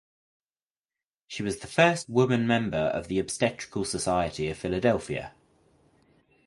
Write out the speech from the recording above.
She was the first woman member of the Obstetrical Society of Philadelphia.